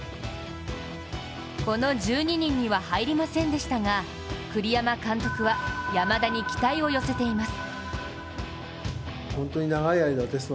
この１２人には入りませんでしたが栗山監督は山田に期待を寄せています。